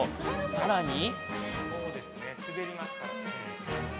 さらに。